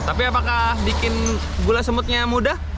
tapi apakah bikin gula semutnya mudah